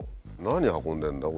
何運んでるんだ？